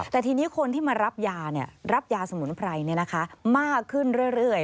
แต่ทีนี้คนที่มารับยารับยาสมุนไพรมากขึ้นเรื่อย